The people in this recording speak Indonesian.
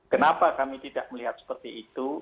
kenapa kami tidak melihat seperti itu